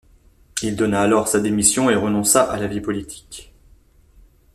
Il donna alors sa démission et renonça à la vie politique.